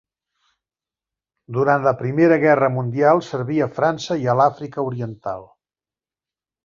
Durant la Primera Guerra Mundial serví a França i a l'Àfrica oriental.